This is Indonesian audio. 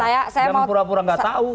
jangan pura pura tidak tahu